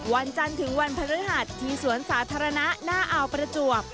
วันจันทร์ถึงวันพฤหัสที่สวนสาธารณะหน้าอ่าวประจวบ